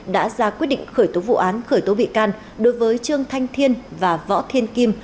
đã ra quyết định khởi tố vụ án khởi tố bị can đối với trương thanh thiên và võ thiên kim